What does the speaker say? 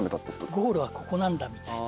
ゴールはここなんだみたいな。